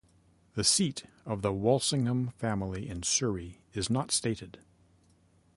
The seat of the Walsingham family in Surrey is not stated.